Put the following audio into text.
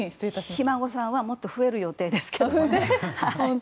ひ孫さんはもっと増える予定ですけどね。